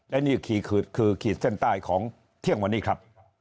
และนี่คือขีดเส้นใต้ของเที่ยงวันนี้ครับ